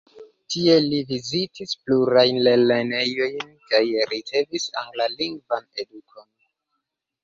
Tie li vizitis plurajn lernejojn kaj ricevis anglalingvan edukon.